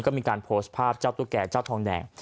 ก็มีการโพสต์ภาพเจ้าตุ๊กแก่เจ้าทองแดง